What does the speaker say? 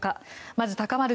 まず、高まる